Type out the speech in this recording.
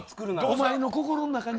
お前の心の中に。